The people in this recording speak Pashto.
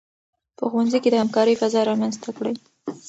په ښوونځي کې د همکارۍ فضا رامنځته کړئ.